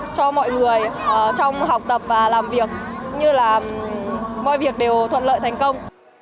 cho mọi người trong học tập và làm việc như là mọi việc đều thuận lợi thành công